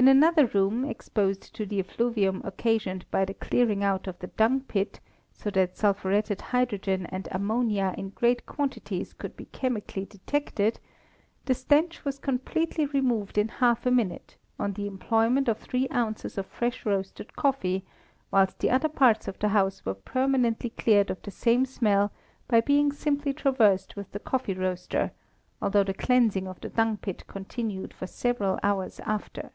In another room, exposed to the effluvium occasioned by the clearing out of the dung pit, so that sulphuretted hydrogen and ammonia in great quantities could be chemically detected, the stench was completely removed in half a minute, on the employment of three ounces of fresh roasted coffee, whilst the other parts of the house were permanently cleared of the same smell by being simply traversed with the coffee roaster, although the cleansing of the dung pit continued for several hours after.